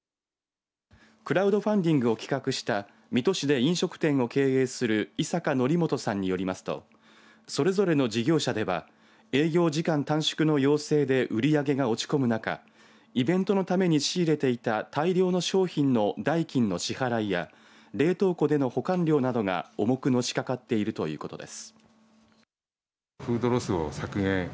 クラウドファンディングを企画した水戸市で飲食店を経営する井坂紀元さんによりますとそれぞれの事業者では営業時間短縮の要請で売り上げが落ち込む中イベントのために仕入れていた大量の商品の代金の支払いや冷凍庫での保管料などが重く、のしかかっているということです。